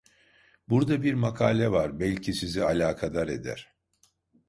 Burda bir makale var, belki sizi alakadar eder.